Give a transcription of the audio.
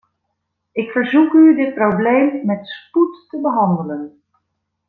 Ik verzoek u dit probleem met spoed te behandelen.